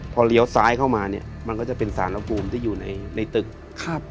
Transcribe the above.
พอเลี้ยวซ้ายเข้ามาเนี่ยมันก็จะเป็นสารภูมิที่อยู่ในตึกครับ